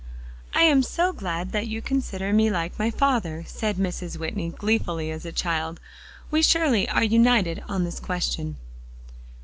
"I am so glad that you consider me like my father," said Mrs. Whitney gleefully as a child. "We surely are united on this question."